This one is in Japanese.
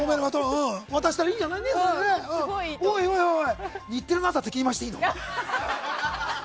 おいおい、日テレの朝敵に回していいの？